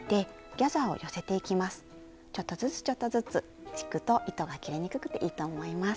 ちょっとずつちょっとずつ引くと糸が切れにくくていいと思います。